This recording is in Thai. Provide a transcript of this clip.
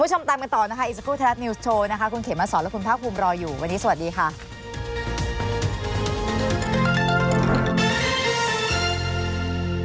หมดเวลาของรายการสวัสดีทุกคน